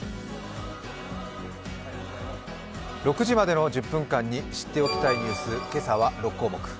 ６時までの１０分間に知っておきたいニュース、今朝は６項目。